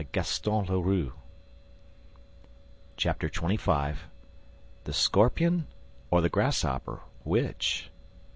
Chapter XXV The Scorpion or the Grasshopper: Which?